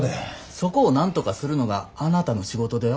そこをなんとかするのがあなたの仕事では？